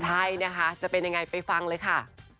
ใช่นะคะจะเป็นยังไงไปฟังเลยค่ะ